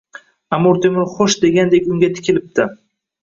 Amir Temur “xo’sh” degandek unga tikilibdi.